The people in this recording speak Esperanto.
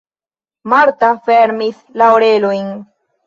Marta fermis la orelojn.